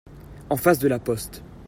En face de la poste.